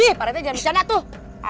ih pak rete jangan bercanda tuh